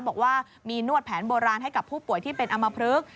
บอกว่ามีนวดแผนโบราณให้กับผู้ป่วยที่เป็นอำมพลึก